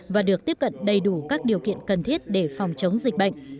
và được tiếp cận đầy đủ các điều kiện cần thiết để phòng chống dịch bệnh